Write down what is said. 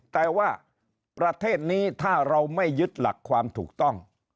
แต่ว่าประเทศนี้ถ้าเราไม่ยึดหลักความถูกต้อง